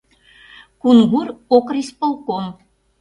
Кунгур Окрисполком!